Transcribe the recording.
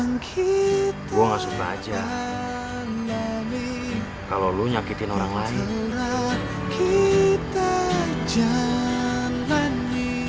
gue gak suka aja kalo lo nyakitin orang lain